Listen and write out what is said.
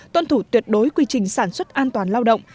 tuân thủ tuyệt đối quy trình sản xuất an toàn lao động